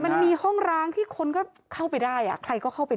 มันมีห้องร้างที่คนก็เข้าไปได้ใครก็เข้าไปได้